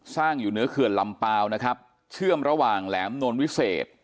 อยู่เหนือเขื่อนลำเปล่านะครับเชื่อมระหว่างแหลมนวลวิเศษ